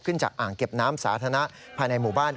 จากอ่างเก็บน้ำสาธารณะภายในหมู่บ้าน